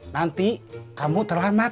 nanti kamu terlambat